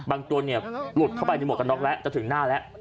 รถเขาหลุดไปจากที่หัวแล้วถึงหน้าแหละ